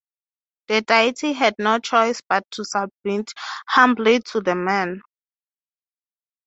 The deity had no choice but to submit humbly to the man.